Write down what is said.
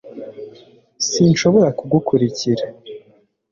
sinshobora kugukurikira